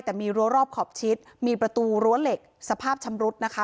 แต่มีรั้วรอบขอบชิดมีประตูรั้วเหล็กสภาพชำรุดนะคะ